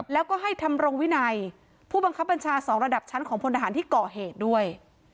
แล้วก็ให้ทำรงวินัยผู้บังคับบัญชา๒ระดับชั้นของพลทหารที่ก่อเหตุด้วย